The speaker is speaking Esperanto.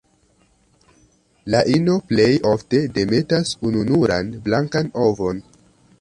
La ino plej ofte demetas ununuran blankan ovon.